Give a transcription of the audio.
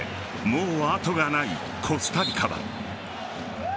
もう後がないコスタリカは。